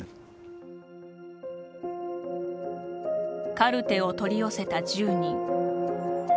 カルテを取り寄せた１０人。